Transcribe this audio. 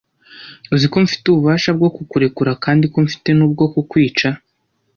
Uziko mfite ububasha bwo kukurekura kandi ko mfite n’ubwo kukwica‽